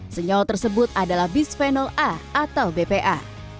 senyawa tersebut adalah bisphenol a atau bpa